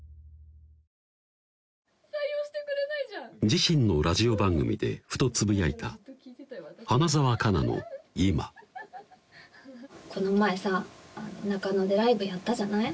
自身のラジオ番組でふとつぶやいた花澤香菜の今この前さ中野でライブやったじゃない？